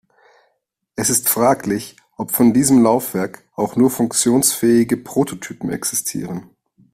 Es ist fraglich, ob von diesem Laufwerk auch nur funktionsfähige Prototypen existieren.